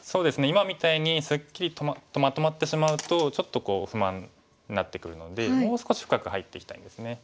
今みたいにすっきりとまとまってしまうとちょっと不満になってくるのでもう少し深く入っていきたいんですね。